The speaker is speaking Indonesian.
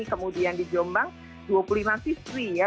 kemudian di jombang dua puluh lima siswi ya